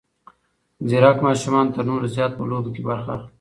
ځیرک ماشومان تر نورو زیات په لوبو کې برخه اخلي.